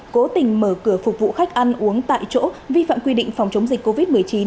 cố tình mở cửa phục vụ khách ăn uống tại chỗ vi phạm quy định phòng chống dịch covid một mươi chín